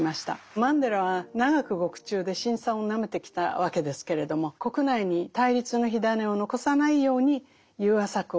マンデラは長く獄中で辛酸をなめてきたわけですけれども国内に対立の火種を残さないように融和策を推し進める道を選んだわけです。